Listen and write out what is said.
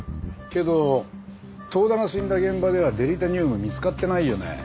けど遠田が死んだ現場ではデリタニウム見つかってないよね？